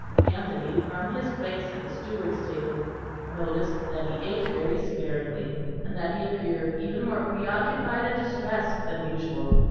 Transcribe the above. Anthony, from his place at the steward's table, noticed that he ate very sparingly, and that he appeared even more preoccupied and distressed than usual.